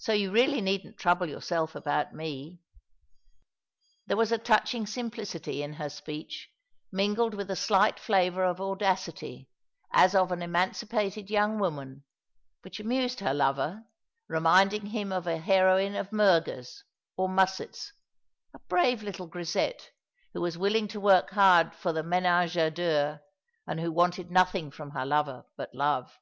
^ So you really needn't trouble your self about mo." There was a touching simplicity in her speech, mingled with a slight flavour of audacity, as of an emancipated young woman, which amused her lover, reminding him of a heroino of Murger's, or Musset's, a brave little grisette, who was willing to work hard for the menage a deux, and who wanted nothing from her lover but love.